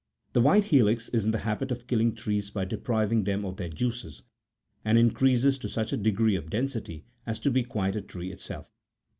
The white helix is in the habit of killing trees by depriving them of their juices, and increases to such a degree of density as to be quite a tree itself.